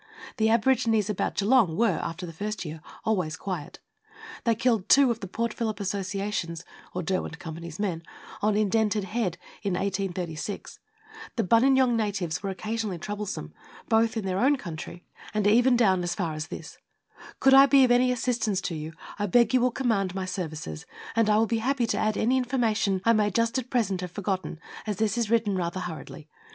The aborigines about Geelong were, after the first year, always quiet. They killed two of the Port Phillip Association's (or Derwent Company's) men on Indented Head in 1836. The Buninyoug natives were occasionally troublesome, both in their own country Letters from Victorian Pioneers. 157 and even down as far as this. Could I be of any assistance to you I beg you will command my services, and I will be happy to add any information I may just at present have forgotten, as this is written rather hurriedly.